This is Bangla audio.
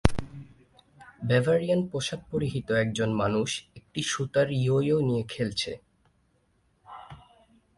বেভারিয়ান পোশাক পরিহিত একজন মানুষ একটি সুতার ইয়োয়ো নিয়ে খেলছে।